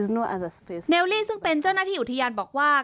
เลลี่ซึ่งเป็นเจ้าหน้าที่อุทยานบอกว่า